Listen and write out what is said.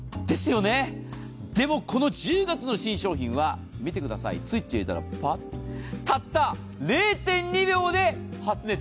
でも、この１０月の新商品をスイッチを入れたらパッ、たった０．２秒で発熱。